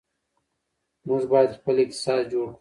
موږ باید خپل اقتصاد جوړ کړو.